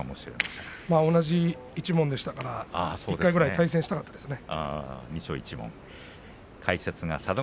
同じ一門でしたから１回ぐらい対戦したかったですね。